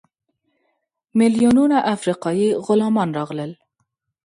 میلیونونه افریقایي غلامان راغلل.